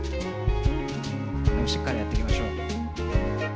でもしっかりやっていきましょう。